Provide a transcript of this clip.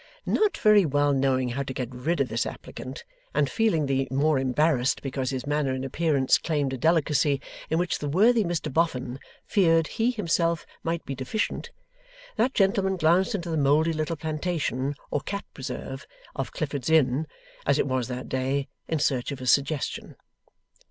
Not very well knowing how to get rid of this applicant, and feeling the more embarrassed because his manner and appearance claimed a delicacy in which the worthy Mr Boffin feared he himself might be deficient, that gentleman glanced into the mouldy little plantation or cat preserve, of Clifford's Inn, as it was that day, in search of a suggestion.